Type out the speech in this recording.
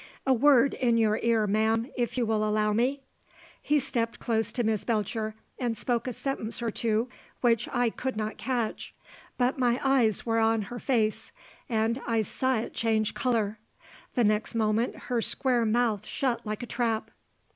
"A word in your ear, ma'am if you will allow me?" He stepped close to Miss Belcher, and spoke a sentence or two which I could not catch. But my eyes were on her face, and I saw it change colour. The next moment her square mouth shut like a trap.